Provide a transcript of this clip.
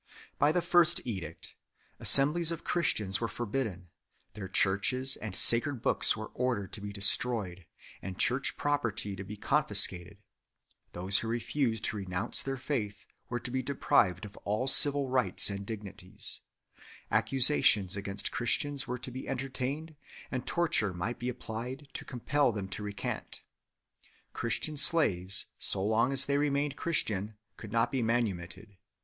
By the first edict 1 assemblies of Christians were forbidden ; their churches and sacred books were ordered to be destroyed and Church property to be confiscated ; those who refused to renounce their faith were to be deprived of all civil rights and dignities; accusations against Christians were to be entertained, and torture might be applied to compel them to recant ; Christian slaves, so long as they remained Christian, could not be manumitted.